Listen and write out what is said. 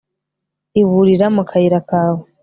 Iburira Mu kayira kawe